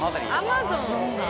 アマゾンね。